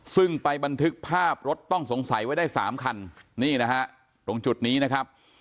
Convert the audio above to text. ซึ่งไปบันทึกภาพรถต้องสงสัยไว้ได้๓คันนี่นะฮะตรงจุดนี้นะครับ